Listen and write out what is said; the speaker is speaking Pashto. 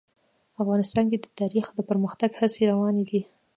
افغانستان کې د تاریخ د پرمختګ هڅې روانې دي.